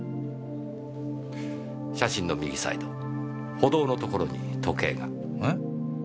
写真の右サイド歩道の所に時計が。え？